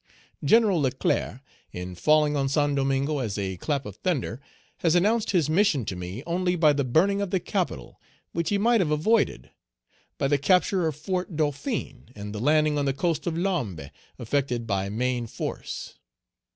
"General Leclerc, in falling on Saint Domingo as a clap of thunder, has announced his mission to me only by the burning of the capital, which he might have avoided; by the capture of Fort Dauphin, and the landing on the coast of Limbé effected by main force.